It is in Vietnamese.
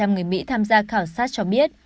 tám mươi tám người mỹ tham gia khảo sát cho biết